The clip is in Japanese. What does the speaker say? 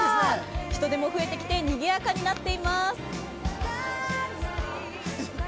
人出も増えてきてにぎやかになっています。